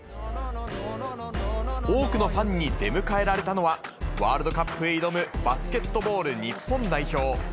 多くのファンに出迎えられたのは、ワールドカップへ挑む、バスケットボール日本代表。